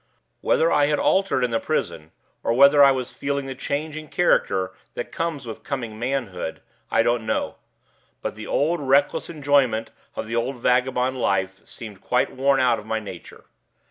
Whether I had altered in the prison, or whether I was feeling the change in character that comes with coming manhood, I don't know; but the old reckless enjoyment of the old vagabond life seemed quite worn out of my nature.